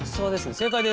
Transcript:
正解です。